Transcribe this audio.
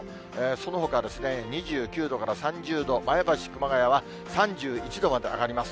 そのほか２９度から３０度、前橋、熊谷は３１度まで上がります。